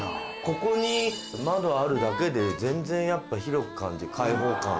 ここに窓あるだけで全然やっぱ広く感じる開放感が。